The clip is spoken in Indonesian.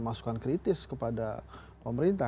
masukan kritis kepada pemerintah